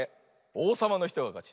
おうさまのひとがかち。